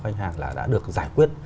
khách hàng là đã được giải quyết